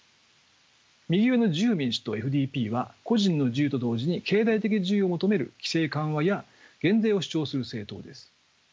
右上の自由民主党は個人の自由と同時に経済的自由を求める規制緩和や減税を主張する政党です。